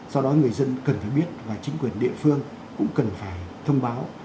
do đó người dân cần phải biết và chính quyền địa phương cũng cần phải thông báo